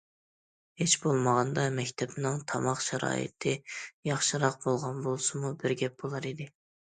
ھېچبولمىغاندا مەكتەپنىڭ تاماق شارائىتى ياخشىراق بولغان بولسىمۇ بىر گەپ بولار ئىدى.